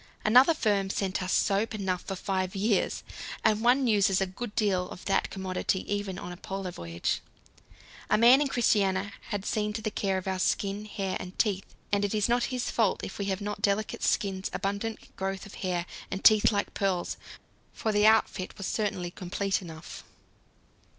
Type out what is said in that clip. Another firm sent us soap enough for five years, and one uses a good deal of that commodity even on a Polar voyage. A man in Christiania had seen to the care of our skin, hair, and teeth, and it is not his fault if we have not delicate skins, abundant growth of hair, and teeth like pearls, for the outfit was certainly complete enough.